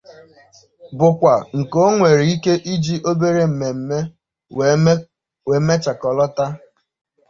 bụkwa nke o nwere ike iji obere mmemme wee mechàkọlọta